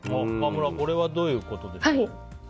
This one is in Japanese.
川村、これはどういうことですか？